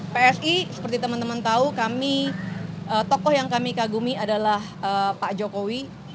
psi seperti teman teman tahu kami tokoh yang kami kagumi adalah pak jokowi